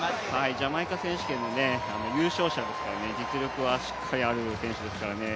ジャマイカ選手権の優勝者ですから実力はある選手です。